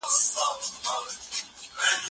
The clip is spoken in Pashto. د سیتار تارونه پرې دي د رباب لړمون ختلی